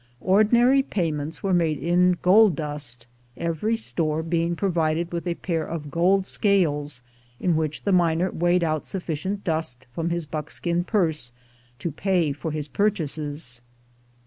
Ordinary pay ments were made in gold dust, every store being pro vided with a pair of gold scales, in which the miner weighed out sufficient dust from his buckskin purse to pay for his purchases.